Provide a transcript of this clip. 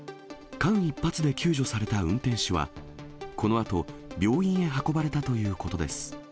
間一髪で救助された運転手は、このあと、病院へ運ばれたということです。